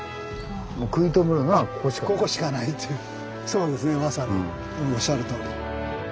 そうですねまさにおっしゃるとおり。